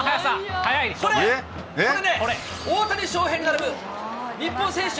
これね、大谷翔平に並ぶ、日本選手